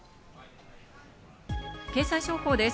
経済情報です。